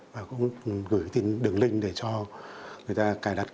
và cũng gửi cái tin đường link để cho người ta cài đặt